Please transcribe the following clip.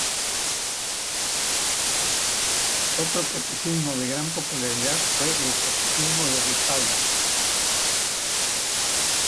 Otro catecismo de gran popularidad fue el catecismo de Ripalda.